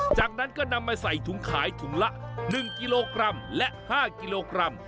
จากนั้นก็นำมาใส่ถุงขายถุงละ๑กิโลกรัมและ๕กิโลกรัม